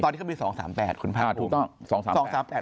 ตอนนี้เขามีสองสามแปดคุณพระอภูมิ